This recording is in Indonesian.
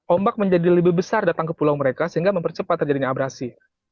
ombak menjadi lebih besar datang ke pulau mereka sehingga mempercepat terjadinya abrasi